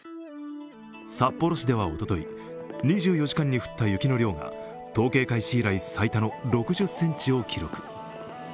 札幌市ではおととい、２４時間に降った雪の量が統計開始以来最多の６０ｃｍを記録。